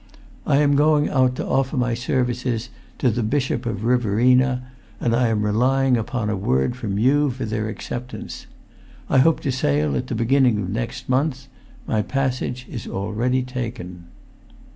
I am going out to offer my services to the Bishop of Riverina, and I am relying[Pg 384] upon a word from you for their acceptance. I hope to sail at the beginning of next month; my passage is already taken."